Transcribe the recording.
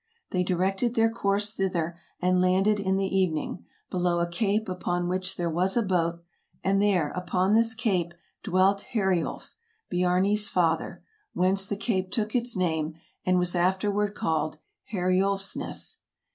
'' They directed their course thither, and landed in the evening, below a cape upon which there was a boat, and there, upon this cape, THE EARLY EXPLORERS 9 dwelt Heriulf, Biarni's father, whence the cape took its name, and was afterward called Heriulfsness.